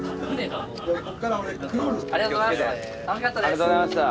ありがとうございます。